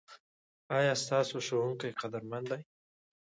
ایا ستاسو ښوونکي قدرمن دي؟